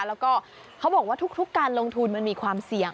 แล้วก็เขาบอกว่าทุกการลงทุนมันมีความเสี่ยง